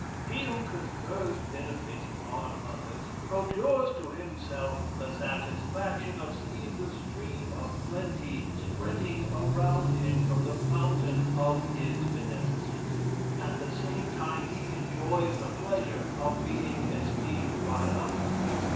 He who confers benefits upon others, procures to himself the satisfaction of seeing the stream of plenty spreading around him from the fountain of his beneficence; at the same time, he enjoys the pleasure of being esteemed by others.